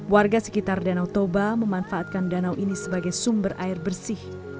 warga sekitar danau toba memanfaatkan danau ini sebagai sumber air bersih